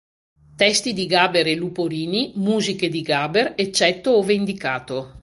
Testi di Gaber e Luporini, musiche di Gaber, eccetto ove indicato.